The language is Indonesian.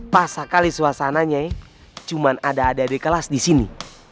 pas sekali suasananya cuman ada adik kelas disini